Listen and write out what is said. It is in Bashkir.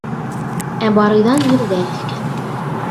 Ә Барыйҙан елдәр иҫкән.